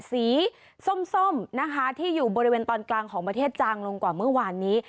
สีส้มนะคะที่อยู่บริเวณตอนกลางของประเทศจางลงกว่าเมื่อวานนี้